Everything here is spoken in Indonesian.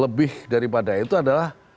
lebih daripada itu adalah menimbang tentang